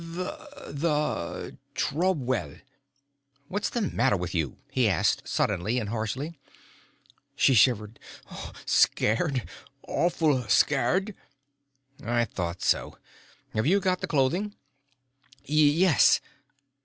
"Th the Trobwell." "What's the matter with you?" he asked, suddenly and harshly. She shivered. "Scared. Awful scared." "I thought so. Have you got the clothing?" "Y yes."